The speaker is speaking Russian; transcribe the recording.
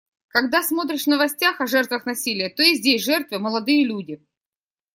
Когда смотришь в новостях о жертвах насилия, то и здесь жертвы — молодые люди.